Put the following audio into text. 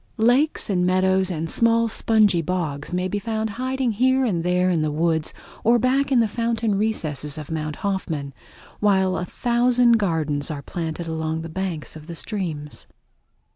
Lakes and meadows and small spongy bogs may be found hiding here and there in the woods or back in the fountain recesses of Mount Hoffman, while a thousand gardens are planted along the banks of the streams.